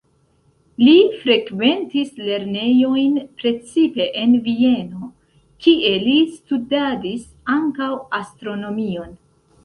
Li frekventis lernejojn precipe en Vieno, kie li studadis ankaŭ astronomion.